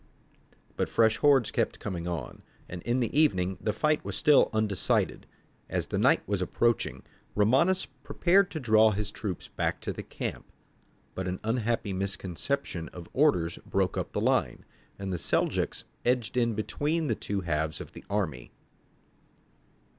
But fresh hordes kept coming on, and in the evening the fight was still undecided. As the night was approaching, Romanus prepared to draw his troops back to the camp, but an unhappy misconception of orders broke up the line, and the Seljouks edged in between the two halves of the army.